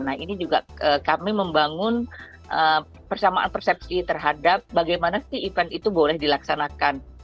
nah ini juga kami membangun persamaan persepsi terhadap bagaimana sih event itu boleh dilaksanakan